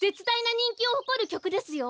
にんきをほこるきょくですよ！？